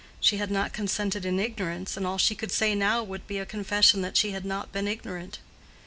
She had not consented in ignorance, and all she could say now would be a confession that she had not been ignorant.